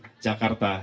dan menjaga jakarta